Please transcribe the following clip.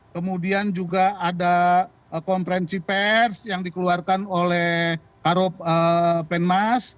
kemudian juga ada konferensi pers yang dikeluarkan oleh karop penmas